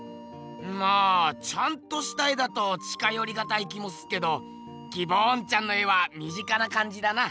まあちゃんとした絵だと近よりがたい気もすっけどギボーンちゃんの絵は身近な感じだな。